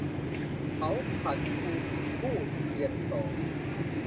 เขาขันคูคู่คู้ เคียงสอง